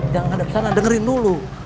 jangan ada kesana dengerin dulu